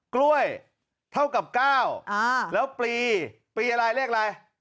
กล้วยเท่ากับ๙แล้วปลีปีอะไรเลขอะไร